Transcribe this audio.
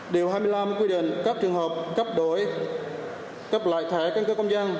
điều hai mươi năm quy định các trường hợp cấp đổi cấp lại thẻ căn cước công dân